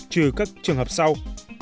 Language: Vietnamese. trừ các trường hợp sau